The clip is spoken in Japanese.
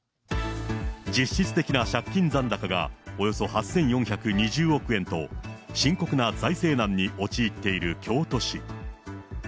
実質的な借金残高がおよそ８４２０億円と、深刻な財政難に陥っている京都市。